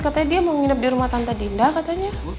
katanya dia mau menginap di rumah tante dinda katanya